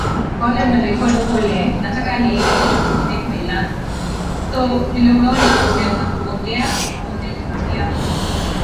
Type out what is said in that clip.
na jopo la marais watano wa umoja wa afrika au waendelea na juhudi zao